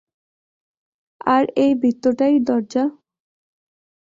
আর এই বৃত্তটাই দরজা।